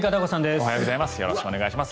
おはようございます。